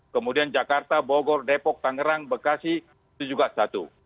kemudian jakarta bogor depok tangerang bekasi itu juga satu